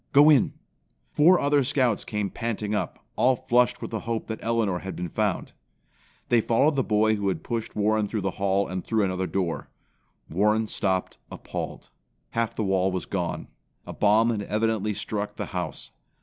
Go in!" Four other Scouts came panting up, all flushed with the hope that Elinor had been found. They followed the boy who had pushed Warren through the hall and through another door. Warren stopped appalled. Half the wall was gone. A bomb had evidently struck the house.